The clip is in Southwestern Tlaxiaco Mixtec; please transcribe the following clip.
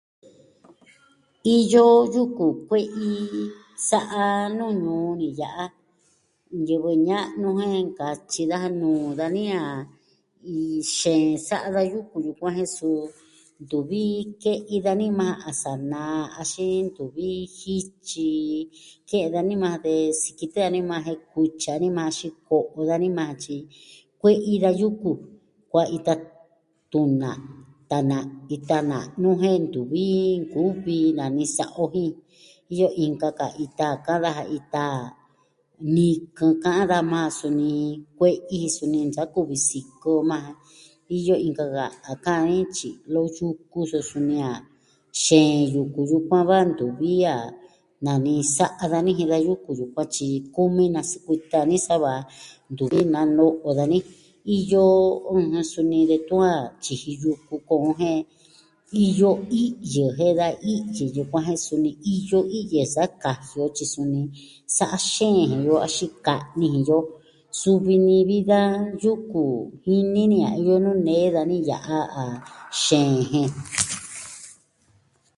Iyo yuku kue'i sa'a nu ñuu ni ya'a. Ñivɨ ña'nu jen nkatyi daja nuu dani a iin xeen sa'a da yuku yukuan jen suu ntuvi ke'i dani majan a saa naa axin axin ntuvi jityi. Ke'i dani majan de sikitɨ dani majan jen kutyi dani majan, ko'o dani majan, tyi kue'i da yuku kua ita tunaa, tanaa, ita na'nu jen ntuvi nkuvi nani sa'a o jin. Iyo inka ka ita, ka'an daja ita nikɨn ka'an daja majan, suni kue'i, suni nsakuvi sikɨ majan. Iyo inka ka'an dani tyi'lo yuku suu suni a, xeen yuku yukuan va ntuvi a nani sa'a dani jin da yuku yukuan tyi, kumi naskuita ni sa va. Ntuvi nano'o dani. Iyo jo suni detun a tyiji yuku ko'on jen iyo i'yo jen da i'yɨ yukuan jen suni iyo i'yɨ sa kasun on tyi suni sa'a xeen jin yo axin ka'ni jin yo, suvi ni vi da yuku ini ni a iyo nuu nee dani ya'a a xeen jen.